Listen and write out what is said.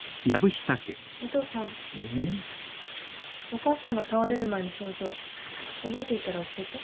お母さんが倒れる前の症状覚えていたら教えて。